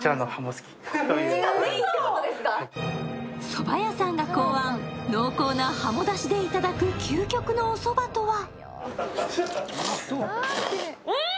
そば屋さんが公安、濃厚なハモだしでいただく究極のおそばとは。